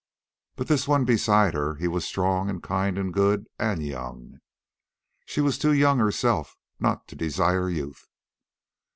But this one beside her he was strong and kind and good, and YOUNG. She was too young herself not to desire youth.